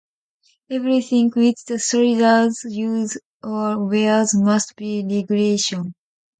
Everything which the soldier uses or wears must be regulation.